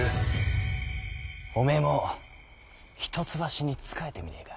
おめえも一橋に仕えてみねえか？